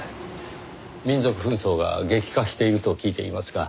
民族紛争が激化していると聞いていますが。